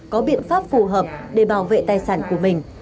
có biện pháp phù hợp để bảo vệ tài sản của mình